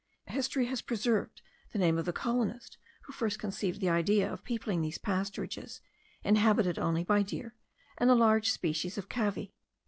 History has preserved the name of the colonist who first conceived the idea of peopling these pasturages, inhabited only by deer, and a large species of cavy.